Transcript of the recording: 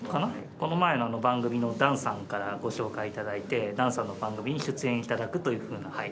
この前の番組のダンさんからご紹介いただいて、ダンさんの番組に出演いただくというような。